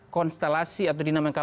konstelasi atau dinamika